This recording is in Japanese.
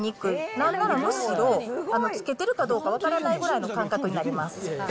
なんなら、むしろつけてるかどうか分からないくらいの感覚になります。